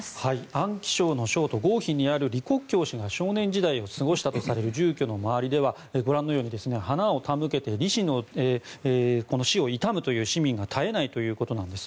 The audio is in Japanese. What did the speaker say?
安徽省の省都・合肥にある李克強氏が少年時代を過ごしたとされる住居の周りにはご覧のように花を手向けて李氏の死を悼むという市民が絶えないということなんです。